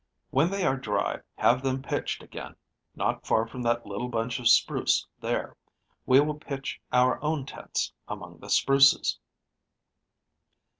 When they are dry, have them pitched again, not far from that little bunch of spruce there. We will pitch our own tents among the spruces."